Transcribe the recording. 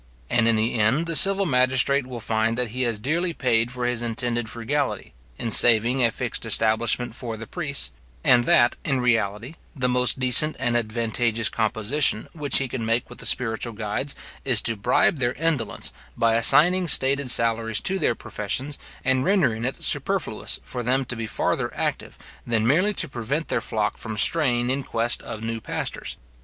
And, in the end, the civil magistrate will find that he has dearly paid for his intended frugality, in saving a fixed establishment for the priests; and that, in reality, the most decent and advantageous composition, which he can make with the spiritual guides, is to bribe their indolence, by assigning stated salaries to their profession, and rendering it superfluous for them to be farther active, than merely to prevent their flock from straying in quest of new pastors.